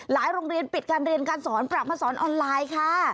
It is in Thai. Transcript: โรงเรียนปิดการเรียนการสอนปรับมาสอนออนไลน์ค่ะ